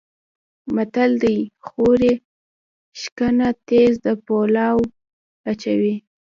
متل دی: خوري شکنه تیز د پولاو اچوي.